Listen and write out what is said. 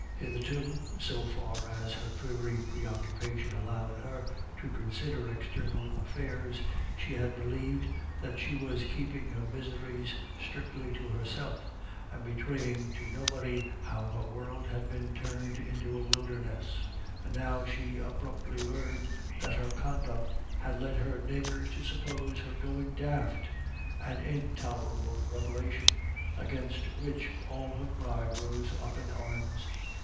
Hitherto, so far as her dreary preoccupation allowed her to consider external affairs, she had BETWEEN TWO LAD Y DA YS. %%l believed that she was keeping her miseries strictly to herself, and betraying to nobody how her world had been turned into a wilderness. And now she abruptly learned that her conduct had led her neighbours to suppose her going daft, an in tolerable revelation, against which all her pride rose up in arms.